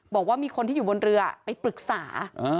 บอกว่ามีคนที่อยู่บนเรือไปปรึกษา